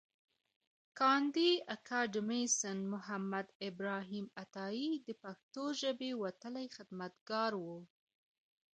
کاندي اکاډميسنمحمد ابراهیم عطایي د پښتو ژبې وتلی خدمتګار و.